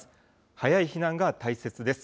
早い避難が大切です。